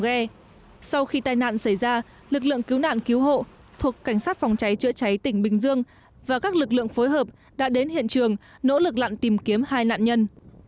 ghe sau khi tai nạn xảy ra lực lượng cứu nạn cứu hộ thuộc cảnh sát phòng cháy chữa cháy tỉnh bình dương và các lực lượng phối hợp đã đến hiện trường nỗ lực lặn tìm kiếm hai nạn nhân